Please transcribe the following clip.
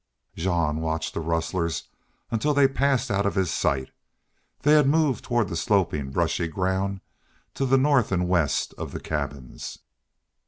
Jean watched the rustlers until they passed out of his sight. They had moved toward the sloping, brushy ground to the north and west of the cabins.